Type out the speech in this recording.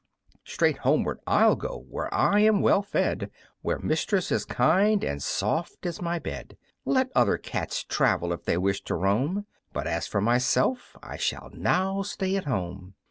"Straight homeward I'll go, where I am well fed, Where mistress is kind, and soft is my bed; Let other cats travel, if they wish to roam, But as for myself, I shall now stay at home."